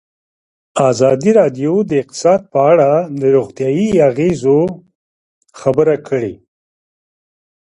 ازادي راډیو د اقتصاد په اړه د روغتیایي اغېزو خبره کړې.